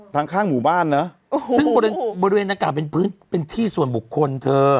ทางข้างหมู่บ้านเนอะซึ่งบริเวณหน้ากากเป็นพื้นเป็นที่ส่วนบุคคลเธอ